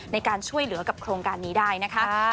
ในการช่วยเหลือกับโครงการนี้ได้นะคะ